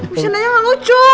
bercandanya gak lucu